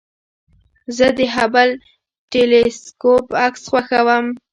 زه د هبل ټېلسکوپ عکس خوښوم.